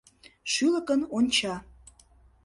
Шӱлыкын онча